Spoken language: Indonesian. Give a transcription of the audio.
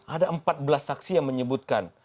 ada empat belas saksi yang menyebutkan